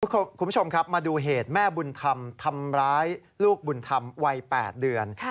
คุณผู้ชมครับมาดูเหตุแม่บุญธรรมทำร้ายลูกบุญธรรมวัย๘เดือน